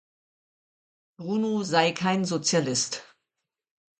Bruno sei kein Sozialist.